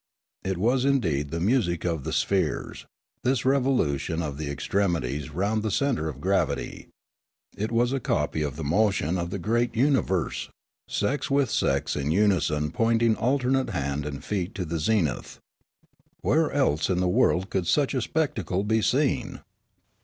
It was indeed the music of the spheres, this revolution of the ex tremities round the centre of gravity ; it was a copy of the motion of the great universe, sex with sex in uni son pointing alternate head and feet to the zenith. Where else in the world could such a spectacle be seen